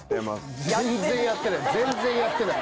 全然やってない。